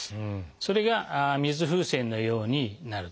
それが水風船のようになると。